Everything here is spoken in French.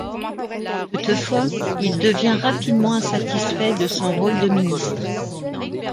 Toutefois, il devient rapidement insatisfait de son rôle de ministre.